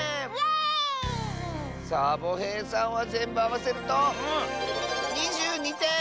サボへいさんはぜんぶあわせると２２てん！